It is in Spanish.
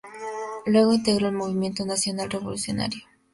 Luego integró el Movimiento Nacional Revolucionario.